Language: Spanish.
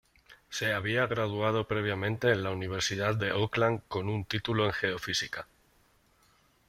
Se había graduado previamente en la Universidad de Auckland con un título en geofísica.